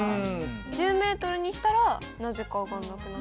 １０ｍにしたらなぜか上がんなくなった。